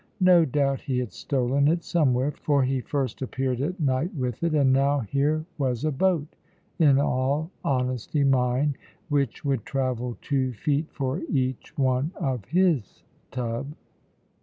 No doubt he had stolen it somewhere, for he first appeared at night with it; and now here was a boat, in all honesty mine, which would travel two feet for each one of his tub!